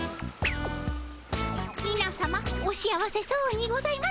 みなさまお幸せそうにございますね。